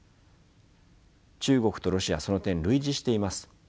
中国とロシアその点類似しています。